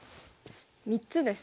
３つですか？